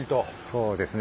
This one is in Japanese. そうですね。